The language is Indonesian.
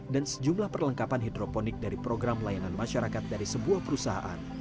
dan sejumlah perlengkapan hidroponik dari program layanan masyarakat dari sebuah perusahaan